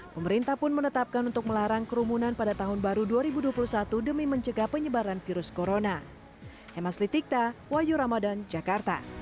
pemerintah pun menetapkan untuk melarang kerumunan pada tahun baru dua ribu dua puluh satu demi mencegah penyebaran virus corona